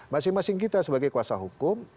masing masing kita sebagai kuasa hukum